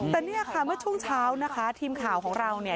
แต่เนี่ยค่ะเมื่อช่วงเช้านะคะทีมข่าวของเราเนี่ย